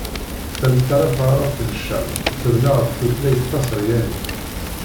Tantala taɛrabt n Ccam tebna ɣef tutlayt taseryanit.